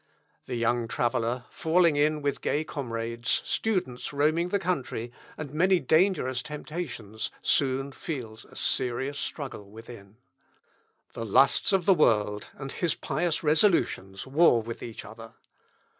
The young traveller, falling in with gay comrades, students roaming the country, and many dangerous temptations soon feels a serious struggle within. The lusts of the world and his pious resolutions war with each other.